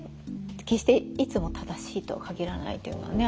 決していつも正しいとは限らないっていうのはありますもんね。